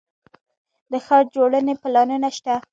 د ښار جوړونې پلانونه شته